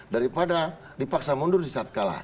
daripada dipaksa mundur di saat kalah